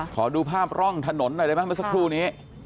ขอดูภาพร่องถนนหน่อยได้ไหมเมื่อสักครู่นี้